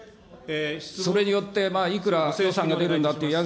それによっていくらが出るんだっていうふうに。